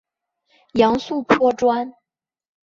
杨素颇专。